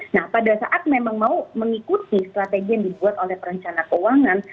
nah pada saat memang mau mengikuti strategi yang dibuat oleh perencana keuangan